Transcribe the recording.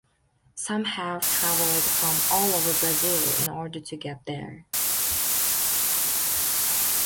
Some have traveled from all over Brazil in order to get there.